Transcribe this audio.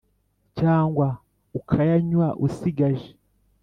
cyangwa ukayanywa usigaje